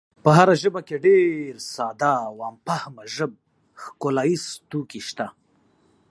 په هره ژبه کې ډېر ساده او عام فهمه ژب ښکلاییز توکي شته.